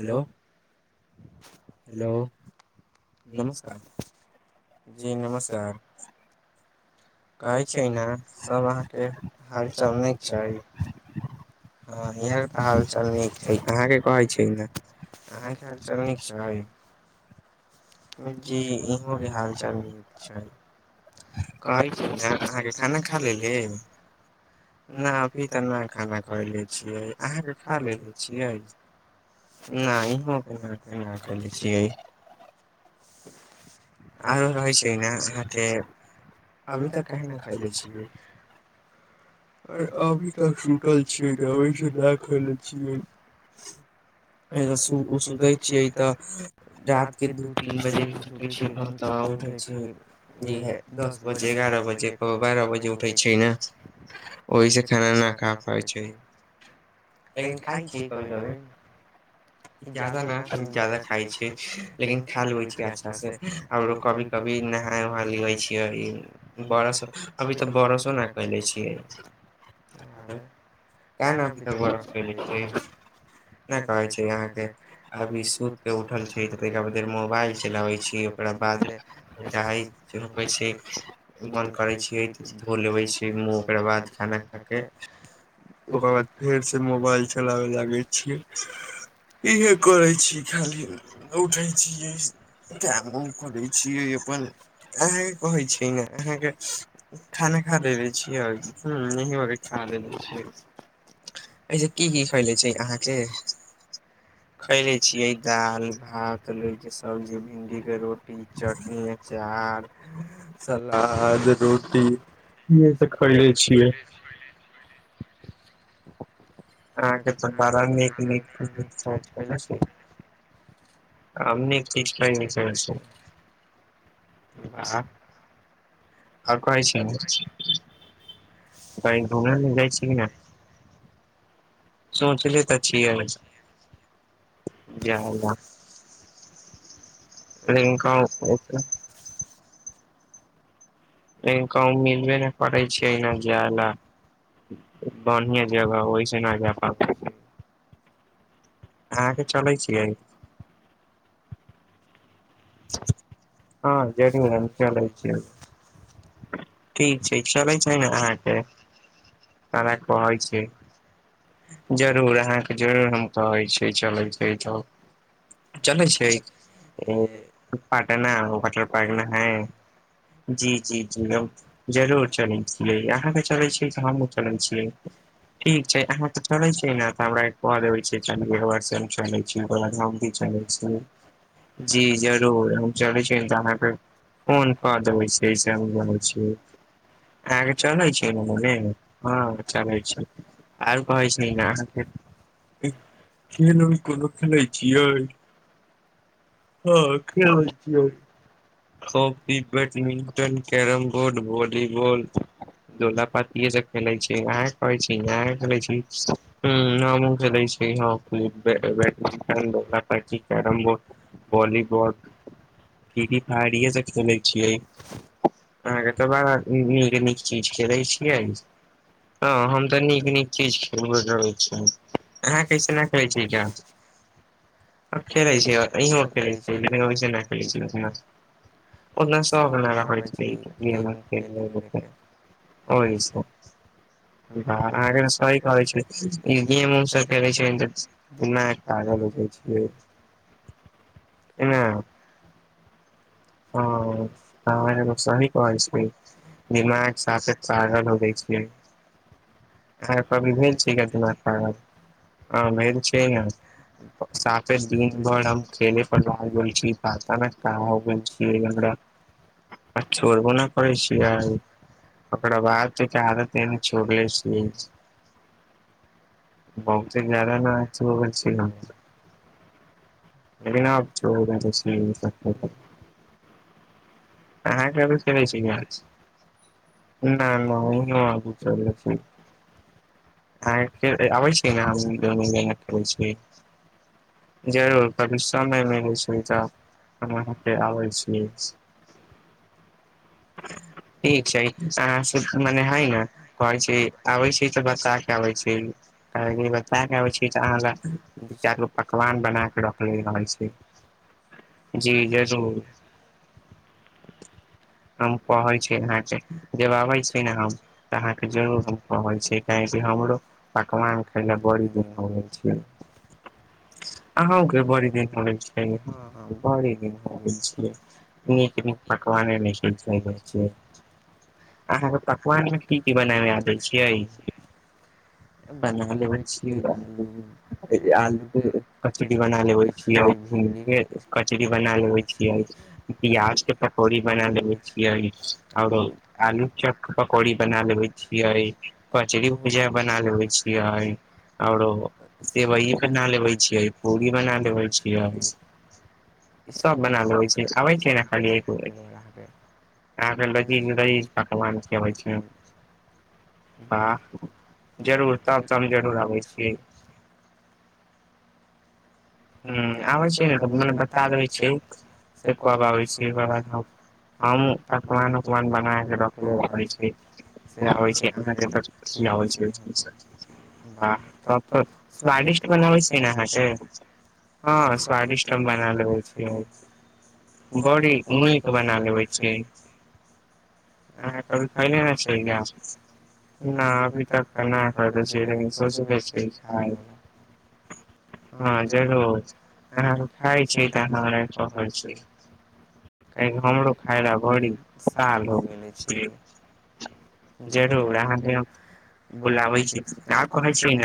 Hello hello नमस्कार जी नमस्कार कहै छै ने सभ अहाँके हालचल निक छै हँ इहा तऽ हालचाल नीक छै अहाँके कहै छी न अहाँके हालचल नीक छै जी इहो हाल चाल छै कहैत छै न अहाँके खाना खा लेली नहि अभी तऽ नहि खाना खुयले छियै अहाँकेँ खा लेले छियै। नहि-नहि, नऽ कहल छै। आरो रहैत छै, ने अहाँकेँ अभी तक काह न खयले छियै। आ अभी तक सूटल छियै, ओहिसँ लए खयले छियै। सुतैत छियै, तऽ रातिके दू तीन बजेसँ सुतैत छियै। फेर हम तऽ उठै छी, ई दस बजे, एगारह बजे, बारह बजे उठै छी ने। ओहिसँ खाना नहि खा पाबै छै, लेकिन खाइ छी कभी कभी। जादा न जादा खाइ छियै, लेकिन खा लबै छियै अच्छासँ। आरो कभी कभी नहाय उहा लिये छै बरस अभी तऽ बरसो न कले ठीक छै। छै। अरे तऽ नहि, अभी तक ब्रश कऽ ले छियै। नहि कहैत छै, अहाँकेँ अभी सुति कऽ उठल छै, तऽ ताहिके बादर मोबाइल चलाबैत छी। ओकरा बाद तिकीपै छै। मन करै छियै तऽ धो लै छी मुँह, ओकरा बाद खाना खा कऽ। ओकर बाद फेरसँ मोबाइल चलाबय लागै छियै। इहे करैत छी, खाली उठैत छी, टाइम। करै छियै, अपन अहाँकेँ कहै छै, ने अहाँकेँ खाना खा लै छी, आओर हँ, यही होइ छै, खा लै छी। एहिसँ की की केलै छै, अहाँकेँ। खयलै छियै, दालि भात लोहिके सब्जी भिंडीके रोटी। रोटी चटनी अचार सलाद रोटी। इहेसभ खैले छियै। [inaudible] अहकेँ तारा नीक नीक। आमने ठीक लै ने, फेर छै? वाह। आओर कहै छी, नहि, कहीं घूमऽ लऽ जाइ छी कि नहि? सोचले तऽ छियै जाय ल। इक [unintelligible] कऽ मिलबे ने करै छै, जाय लेल। बढ़आ जगह वहिसे नहि जा पाब। हँ, चलै छीय। हँ, [unintelligible] ठीक छै, चलैत छै ने अहाँकेँ कह कहैत छै। जरूर अहाँकेँ जरूर हम कहै छिय चलै छै, तब चलै छै, पट वाटर पार्क ने है। जी जी नम। जरूर चलै छी। अहाँ चलै छी तऽ हमहुँ चलै छी, ठीक छै अहाँ? चलै छै, ने तऽ हमरा एक बाद चै भी जी जरूर हम चलै चिन्ता पे। कोनपर देबै से हम बैसल छी। आग चलै छै, मने हँ चलै छै। आरो कहै छै ने अहाँ। खेल अमे कोनो खेलैत छियै। हँ, ख [unintelligible] हॉकी, बैडमिंटन, कैरम बोर्ड। आ वॉलीबॉल, डोला-पात सभ खेलै छै, ई कहै छै ई खेलै छी। हँ, नऽ, खेलै छै, बैडमिंटन आ carrom board. Volleyball, TT, fire ई सभ खेलै छी। अहाँके तऽ बड़ा नीक-नीक चीज खेलै छी। हँ हम तऽ नीक नीक चीज अहाँ कैसन करै छी जाॅंच खेलै छै अ खेलैत [unintelligible] छै लेकिन नहि खेल छैना ओन्ना सए [unintelligible] हो [unintelligible] ई गेम उम सब खे छैाग [unintelligible] [inaudible] पने हं कहा इ त सही कहइ छै दिमा [unintelligible] ग सा सागर हो गै छै ह अहाँके कभी भेल छ ग दिमाग पागल हँ भेल छै ने साफे दिन भर हम खेले पर लागेल छी अचानक कहाँ हो गेल छियै हमरा आ छोरबो न करै छियै आइ ओकरा बाद तक आदत एन्ने छोड़ लै छियै बहुते जादा ने अथी हो गेल छै हमे लेकिन अहाॅं के चले छै काज नहि नहि ह आबै छी ने हमनै छी [unintelligible] जरु कभी समय मिलै छै त हमरा आबै छै ह ठीक छै अहाँ सुख मने है ने कहै छै आबै छै त बता के आबै छी अ बता के छी त अहाँल दू चारि गो पकवान बनाक रख ले रहल छी जी जय जुर हम पहै छी अहाँके जब अबै छै ने हम तऽ अहाँके जरूर हम कहै छी काहेकि हमरो पकवान पहिले बड़ी बनो छिये ह बरी द छै निक निक पकवान खैले छियै अहाँके पकवान में की की बनाबे आबे छियै बना लेबे छियै आलू आलू के कचरी बना लेबै छियै छिय भिन्डी के कचरी बना लेबे छियै प्याज के पकौड़ी बना छियै आओरो आलू चप के पकौड़ी बना लेबै छियै कचरी भुजीया बना लेबै छियै आओरो सेवइ बना लेबै छियै पूरी बना लेबै छियै ईसब बना लेबै छै आबै छै ने खाली एक बेर अहाँके अहाँके लजीज लजीज पकवान खियाबै छी हम वाह जरूर तब तऽ हम जरूर आबै छियै हूं आबै छै ने त मने बता दबै छियै से कब आबै छीये ओकर बाद हम हमहूँ पकवान उकवान बना कऽ रखले रहै छी से आबै छै अहाँके तक खिआबै छै हम वाह तब तऽ स्वादिष्ट बनाबैत छै ने अहाँके हँ स्वादिष्ट हम बना लेबै छियै बड़ी नीक बना लेबै छी अहाँ कभी मैंने नहि छै यै ना अभी तक तऽ ना खईदै छै लेकिन सोचनेे छियै हँ जरूर अहाँके खाइत छी तऽ अहाँ हमरा कहैत छी क हमरो खाय लै बड़ी साल हो गेलै छियै जरूर अहाँके हम बुलाबै छी आओर कहै छियै ने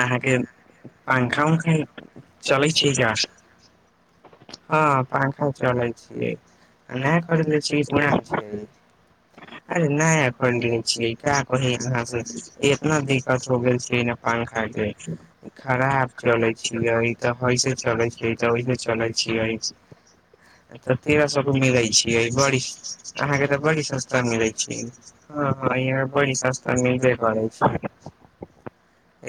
अहाँके पंखा ऊंखा चले छि का हां पंखा [unintelligible] चलै छियै आ नया खरीद लै छियै पुरान छियै ई अरे नया खरीद ले छियै क्या कही अहाँ से इतना दिक्कत हो गेल छै ने पंखा के खराब चलै छै [unintelligible] तऽ अइसे चले छियै तऽ ऐसे चले छियै [inaudible] तऽ तेरह सए के मिलैत छियै बड़ी अहाँके तऽ बड़ी सस्ता मिलै छै हँ हां यहाँ बड़ी सस्ता मिलबे करे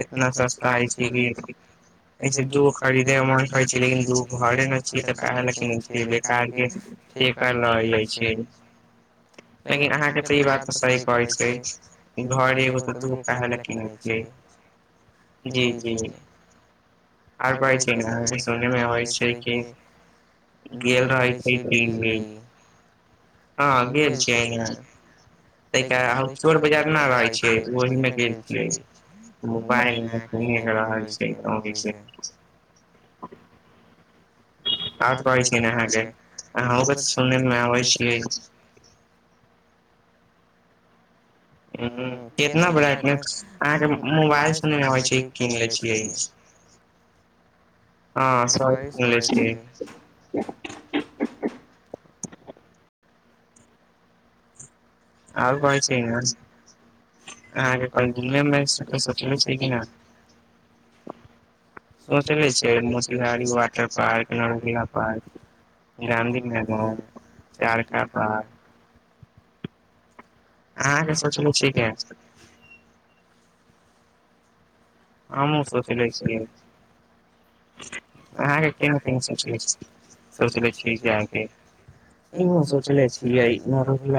इतना सस्ता अछि कि [unintelligible] तू खरीद अमन खइै किू घर न छै तऽ कह कि [inaudible] के बेकार के से कर रहल जाइ छै लेकिन अहाँके तऽ ई बात तऽ सही कहैत छै घर एगो तऽ [unintelligible] जी जी आओर कहै छै ने अहाँके सुननेमे अबैत छै कि गेल रहै छै दिल्ली हँ गेल छिय एने तय का हम चोर बजार ना रहै छियै ओहीमे गेल छियै मोबाइल अहाँ कीने रहल छियै ने ओहिसँ आ कहै छी अहाँके अहु के सुने में आबै छियै हु हु ईतना ब्राइटनेस अहाँके मोबाइल सुनने‌ मे‌ अबै छै कीन ले छियै हँ सही सुनले छियय आ कोइ छै न अह कल दुनियामे सचल छै कि ना त चले छै मुसरीघरारी के वाटर पार्क नरकला पार्क गाँधीनगर [unintelligible] अहाँके सोचलू छि के हमहूँ सोचले छियै अहाँके केना केन सोचै सोच लै छी जायके एहिमे सोचने छियै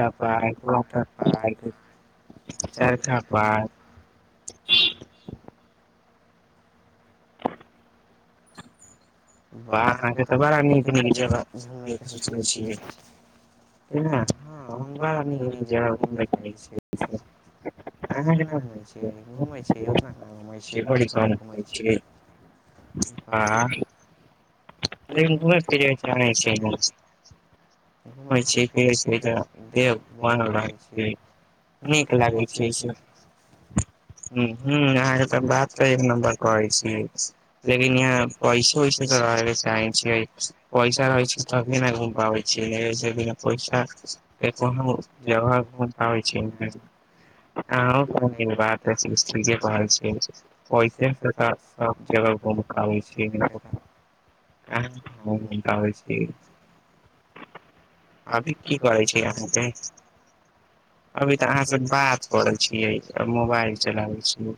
[unintelligible] पार्क वाटर पार्क चारका पार्क आहां के तऽ बड़ा नीक [unintelligible] [unintelligible] [unintelligible] आँ [unintelligible] ह छै छै दे म लाग [inaudible] नीक लागै छै से हुं हुं अहाँ त बात तऽ एक नम्बर कहै छिय लेकिन यहाँ पैसो [unintelligible] चाहै छियै पैसा रहै छै तभी ने घूम पाबै छियै नहि बिना पैसा [unintelligible] जगै छै आहां बात ठिके कहय छियय [unintelligible] होै छै [unintelligible] अभी की करै छै अहाँके अभी तऽ अहाँ स बात करै छियै मोबाइल चलाबै छियै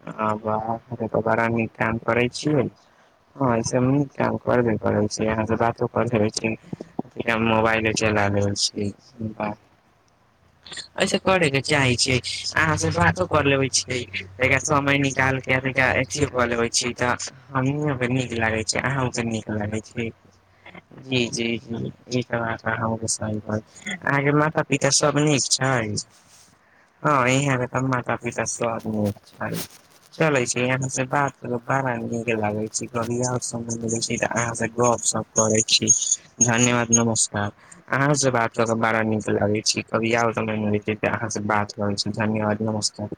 हँ वाह अहाँके त बड़ा नीक काम करैत छियै हँ ईसभमे नीक काम करबे करैत छै अहाँस बातो कर ले है छै त हम मोबाइले चला लेबै छियै एहिसँ करैके चाहैत छै अहाँस बातो कर लेबै छियै त समय निकालिके तऽ अथियो कऽ लेबै छियै तऽ हमनियो के नीक लागै छै अहूँके नीक लागै छै छै जी जी जी ई तऽ बात अहके सही कहैत अहाँके माता पिता सभ नीक छै हँ यहाँ के तऽ माता पिता सब म छै सा [inaudible] चले छै यहाँ से बात बारा मे नीक लागे छै सब मिल छै यहाँ से गप सप कर छी धन्यवाद नमस्कार अहाँ सब बात कके बड़ा नीक लागे छी कभी अहाँ से बात करै छी धन्यवाद नमस्कार